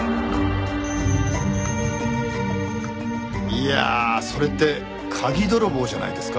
いやそれって鍵泥棒じゃないですか？